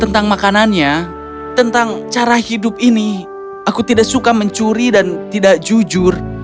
tentang makanannya tentang cara hidup ini aku tidak suka mencuri dan tidak jujur